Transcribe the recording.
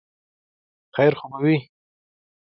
خیر خو به وي ؟